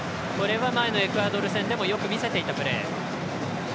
エクアドル戦でもよく見せていたプレー。